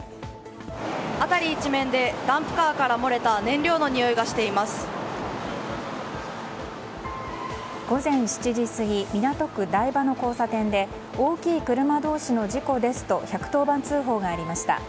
辺り一面でダンプカーから漏れた午前７時過ぎ港区台場の交差点で大きい車同士の事故ですと１１０番通報がありました。